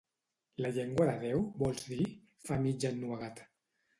¿La llengua de Déu, vols dir?, fa mig ennuegat.